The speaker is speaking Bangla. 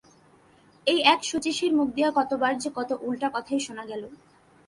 এই এক শচীশের মুখ দিয়া কতবার যে কত উলটা কথাই শোনা গেল!